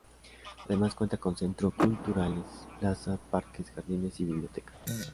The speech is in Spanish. Además cuenta con centro culturales, plaza, parques, jardines y biblioteca.